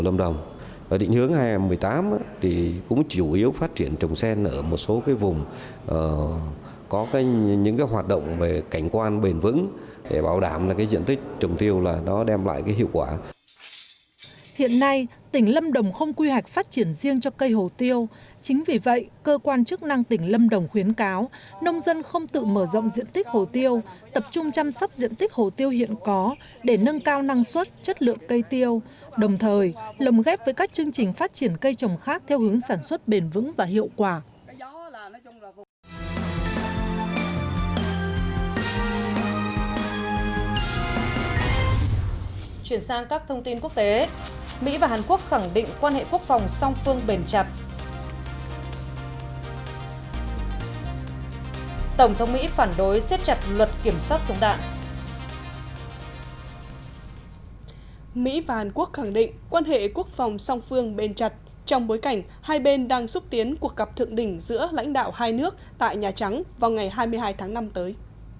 mỹ và hàn quốc khẳng định quan hệ quốc phòng song phương bền chặt trong bối cảnh hai bên đang xúc tiến cuộc gặp thượng đỉnh giữa lãnh đạo hai nước tại nhà trắng vào ngày hai mươi hai tháng năm tới